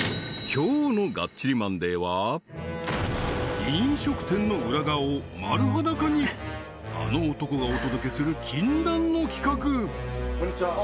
今日の「がっちりマンデー！！」は飲食店の裏側を丸裸にあの男がお届けする禁断の企画こんにちはあ